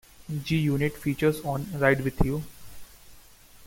G-Unit features on "Ride Wit U".